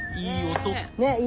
いい音。ね。